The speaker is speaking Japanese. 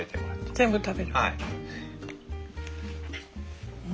全部食べるの？